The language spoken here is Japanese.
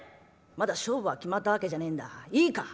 まだ勝負は決まったわけじゃねえんだいいか？